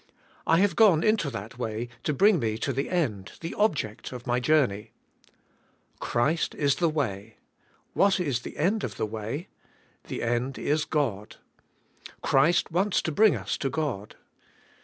I have gone into that way to bring me to the end, the object of my jour ney. Christ is the way; what is the end of the way? The end is God. Christ wants to bring us to God.